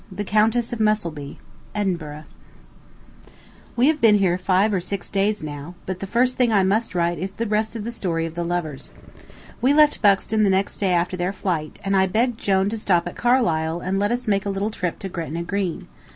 Letter Number Twenty EDINBURGH We have been here five or six days now, but the first thing I must write is the rest of the story of the lovers. We left Buxton the next day after their flight, and I begged Jone to stop at Carlisle and let us make a little trip to Gretna Green.